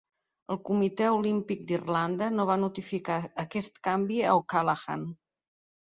El Comitè Olímpic d'Irlanda no va notificar aquest canvi a O'Callaghan.